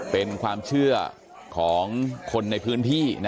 เป็นความเชื่อของคนในพื้นที่